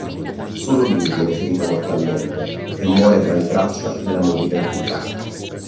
Solo lui viene ferito mortalmente e muore tra le braccia della moglie pentita.